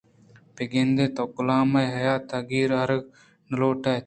بہ گندے تو کلام ءِ یاتاں گیر آرگ نہ لوٹ اِت